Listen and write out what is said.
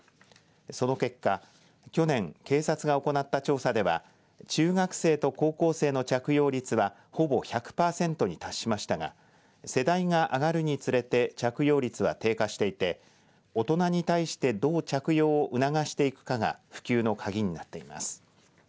その結果、去年警察が行った調査では中学生と高校生の着用率はほぼ１００パーセントに達しましたが世代が上がるにつれて着用率は低下していて大人に対してどう着用を促していくかが普及の鍵になっています。